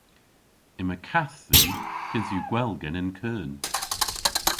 Yma kath dhyn kynth yw gwell genen keun.